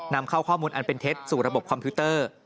นำเข้าข้อมูลอันเป็นเท็จสู่ระบบคอมพิวเตอร์